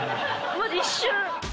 マジ一瞬。